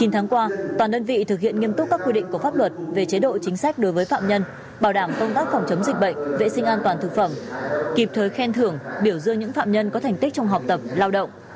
chín tháng qua toàn đơn vị thực hiện nghiêm túc các quy định của pháp luật về chế độ chính sách đối với phạm nhân bảo đảm công tác phòng chống dịch bệnh vệ sinh an toàn thực phẩm kịp thời khen thưởng biểu dương những phạm nhân có thành tích trong học tập lao động